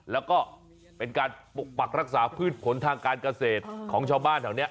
แล้วก็เป็นการปกปักรักษาพืชผลทางการเกษตรของชาวบ้านแถวนี้